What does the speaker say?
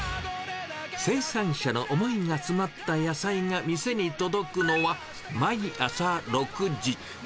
生産者の思いが詰まった野菜が店に届くのは、毎朝６時。